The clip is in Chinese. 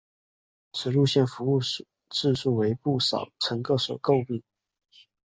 此路线服务质素为不少乘客所诟病。